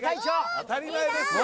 当たり前ですよ。